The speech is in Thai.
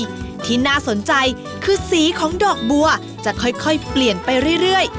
ที่น่าสนใจคือสีของดอกบัวจะค่อยเปลี่ยนไปเรื่อย